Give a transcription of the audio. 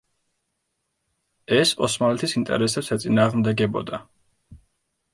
ეს ოსმალეთის ინტერესებს ეწინააღმდეგებოდა.